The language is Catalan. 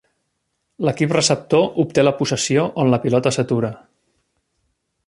L'equip receptor obté la possessió on la pilota s'atura.